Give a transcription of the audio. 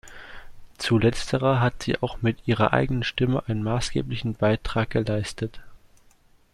Zu letzterer hat sie auch mit ihrer eigenen Stimme einen maßgeblichen Beitrag geleistet.